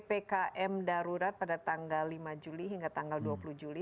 ppkm darurat pada tanggal lima juli hingga tanggal dua puluh juli